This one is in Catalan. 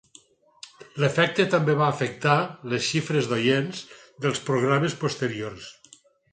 L'efecte també va afectar les xifres d'oients dels programes posteriors.